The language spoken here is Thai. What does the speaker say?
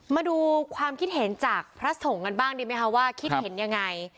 มาดูความคิดเห็นจากพระสงฆ์กันบ้างดีไหมคะว่าคิดเห็นยังไง